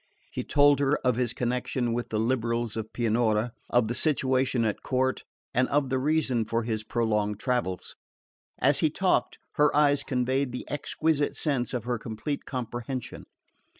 He told her of his connection with the liberals of Pianura, of the situation at court, and of the reason for his prolonged travels. As he talked her eyes conveyed the exquisite sense of her complete comprehension.